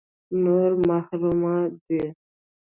نور محروم دي.